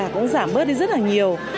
cũng giảm bớt rất là nhiều